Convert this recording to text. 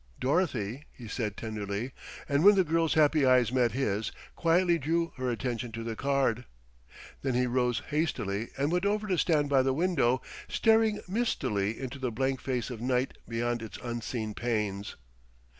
"Dorothy," he said tenderly; and when the girl's happy eyes met his, quietly drew her attention to the card. Then he rose hastily, and went over to stand by the window, staring mistily into the blank face of night beyond its unseen panes.